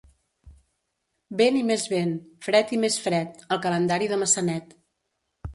Vent i més vent, fred i més fred, el calendari de Maçanet.